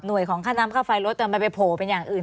ของค่าน้ำค่าไฟรถมันไปโผล่เป็นอย่างอื่น